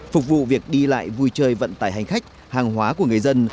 phục vụ việc đi lại vui chơi vận tải hành khách hàng hóa của người dân